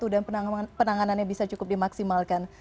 dan penanganannya bisa cukup dimaksimalkan